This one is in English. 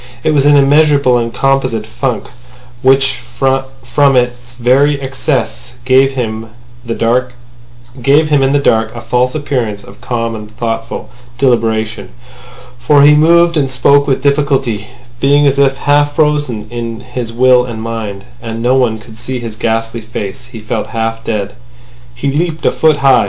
It was an immeasurable and composite funk, which from its very excess gave him in the dark a false appearance of calm and thoughtful deliberation. For he moved and spoke with difficulty, being as if half frozen in his will and mind—and no one could see his ghastly face. He felt half dead. He leaped a foot high.